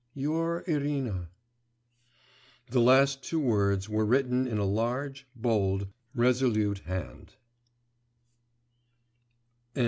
Your Irina.' The last two words were written in a large, bold, resolute hand.